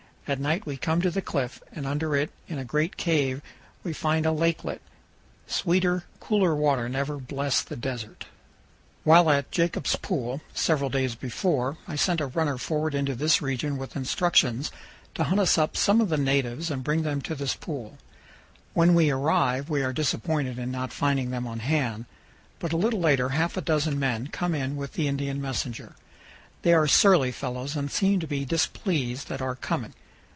At night we come to the cliff, and under it, in a great cave, we find a lakelet. Sweeter, cooler water never blessed the desert. While at Jacob's Pool, several days before, I sent a runner forward into this region with instructions to hunt us up some of powell canyons 207.jpg THE THOUSAND WELLS. the natives and bring them to this pool. When we arrive we are disappointed in not finding them on hand, but a little later half a dozen men come in with the Indian messenger. They are surly fellows and seem to be displeased at our coming.